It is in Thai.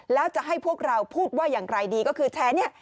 แล้วจะให้พวกเราพูดว่าอย่างไรดีก็คือแชร์เนี่ย